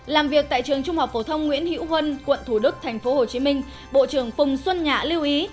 làm việc tại trường trung học phổ thông nguyễn hiễu huân quận thủ đức tp hcm bộ trưởng phùng xuân nhạ lưu ý